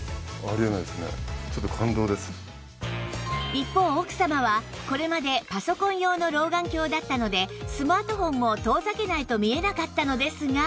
一方奥様はこれまでパソコン用の老眼鏡だったのでスマートフォンも遠ざけないと見えなかったのですが